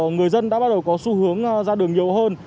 người dân đã bắt đầu có xu hướng ra đường nhiều hơn